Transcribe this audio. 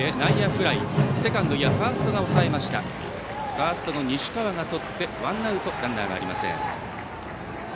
ファーストの西川がとってワンアウト、ランナーありません。